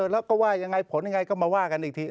แล้วก็ว่ายังไงผลยังไงก็มาว่ากันอีกที